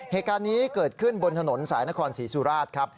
เหตุการณ์นี้เกิดขึ้นบนถนนสายนครศรีสุราชครับ